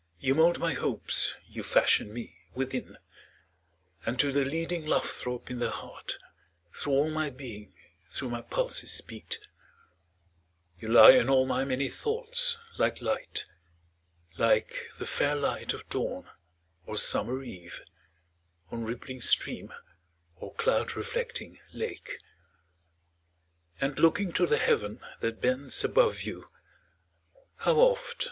commune } 1807. Now first published from an MS. 26 You mould my Hopes you fashion me within: And to the leading love throb in the heart, Through all my being, through my pulses beat; You lie in all my many thoughts like Light, Like the fair light of Dawn, or summer Eve, On rippling stream, or cloud reflecting lake; And looking to the Heaven that bends above you, How oft!